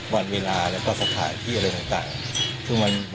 วันเวลาแล้วก็สถานที่อะไรต่าง